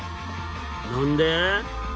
何で？